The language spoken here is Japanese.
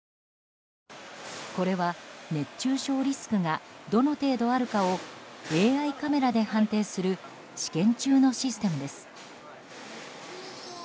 これは、熱中症リスクがどの程度あるかをＡＩカメラで判定する試験中のシステムです。